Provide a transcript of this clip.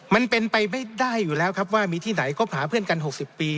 มันเป็นไปไม่ได้อยู่แล้วครับว่ามีที่ไหนคบหาเพื่อนกัน๖๐ปี